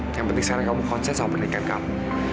yang penting sekarang kamu konsen sama pernikahan kamu